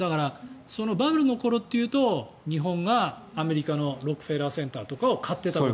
バブルの頃というと日本がアメリカのロックフェラー・センターとかを買っていた。